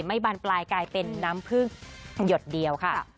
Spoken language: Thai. บานปลายกลายเป็นน้ำพึ่งหยดเดียวค่ะ